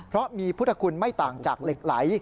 เพราะมีพุทธคุณไม่ต่างจากเหล็กไหล